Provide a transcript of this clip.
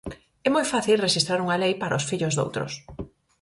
É moi fácil rexistrar unha lei para os fillos doutros.